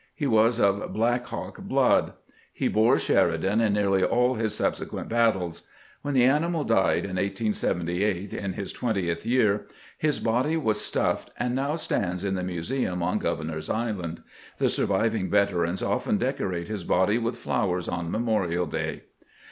He was of " Blackhawk " blood. He bore Sheridan in nearly all his subsequent battles. When the animal died in 1878, in his twentieth year, his body was stuffed, and now stands in the museum on Grovernor's Island. The surviving veterans often decorate his body with flowers on Me morial Day.